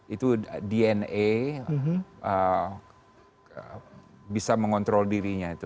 itu dna bisa mengontrol dirinya itu